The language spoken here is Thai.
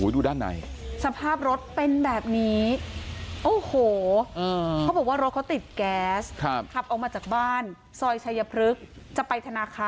ดูด้านในสภาพรถเป็นแบบนี้